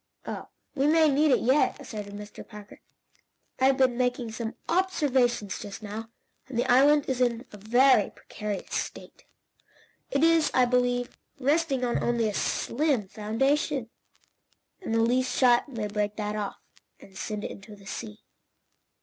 "Oh, we may need it yet," asserted Mr. Parker. "I have been making some observations just now, and the island is in a very precarious state. It is, I believe, resting on only a slim foundation, and the least shock may break that off, and send it into the sea.